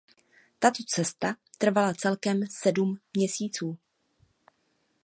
Tato cesta trvala celkem sedm měsíců.